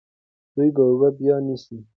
دوی به اوبه بیا نیسي.